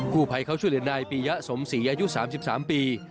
ผู้ภัยเขาช่วยเหลือนายปียะสมศรีอายุ๓๓ปี